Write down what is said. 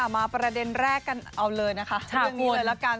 ประเด็นแรกกันเอาเลยนะคะเรื่องนี้เลยละกัน